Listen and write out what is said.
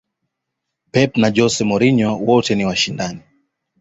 pep na jose mourinho wote ni washindani